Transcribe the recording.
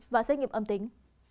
và xét nghiệm âm tính